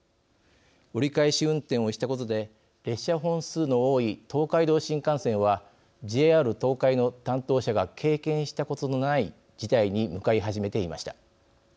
折り返し運転をしたことで列車本数の多い東海道新幹線はＪＲ東海の担当者が経験したことのない事態に向かい始めていました。